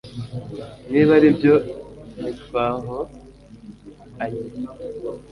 Niba ari byo ntitwahoanye